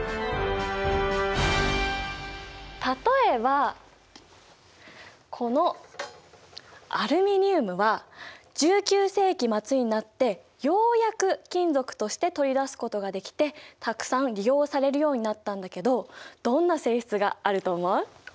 例えばこのアルミニウムは１９世紀末になってようやく金属として取り出すことができてたくさん利用されるようになったんだけどどんな性質があると思う？